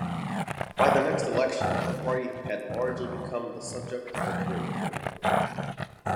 By the next election, the party had largely become the subject of ridicule.